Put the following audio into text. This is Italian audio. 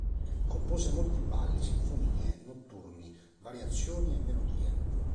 Compose molti balli, sinfonie, notturni, variazioni e melodie.